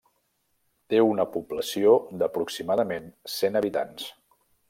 Té una població d'aproximadament cent habitants.